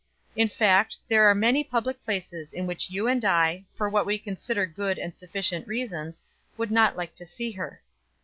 In fact, there are many public places in which you and I, for what we consider good and sufficient reasons, would not like to see her.